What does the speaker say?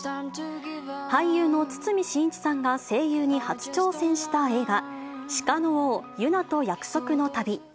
俳優の堤真一さんが声優に初挑戦した映画、鹿の王ユナと約束の旅。